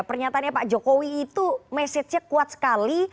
pernyataannya pak jokowi itu mesejnya kuat sekali